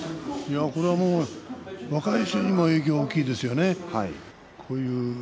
これは若い衆への影響も大きいですよね。